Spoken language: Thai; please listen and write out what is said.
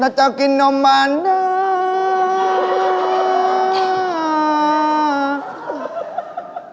น้าเจ้ากินนมมานาน